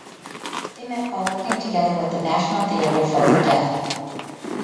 They met while working together with the National Theatre for the Deaf.